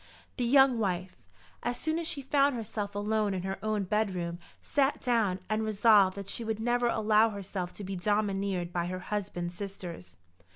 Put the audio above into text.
The young wife, as soon as she found herself alone in her own bedroom, sat down and resolved that she would never allow herself to be domineered by her husband's sisters.